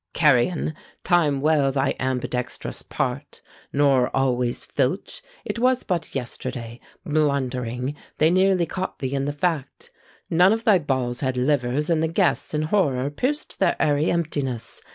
Carian! time well thy ambidextrous part, Nor always filch. It was but yesterday, Blundering, they nearly caught thee in the fact; None of thy balls had livers, and the guests, In horror, pierced their airy emptiness.